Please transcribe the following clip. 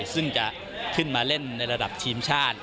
ซึ่งจะขึ้นมาเล่นในระดับทีมชาติ